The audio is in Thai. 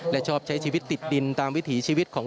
และก็มีการกินยาละลายริ่มเลือดแล้วก็ยาละลายขายมันมาเลยตลอดครับ